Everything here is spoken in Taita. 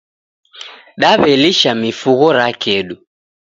D'aw'elisha mifugho ra kedu